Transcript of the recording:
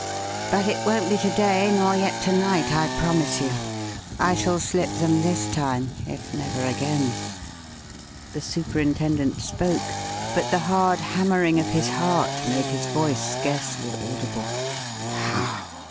But it won't be to day nor yet to night, I promise you. I shall slip them this time if never again." The superintendent spoke, but the hard hammering of his heart made his voice scarcely audible. "How?"